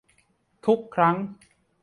ทุกครั้ง